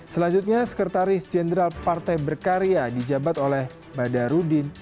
selanjutnya sekretaris jenderal partai berkarya di jabat oleh bada rudin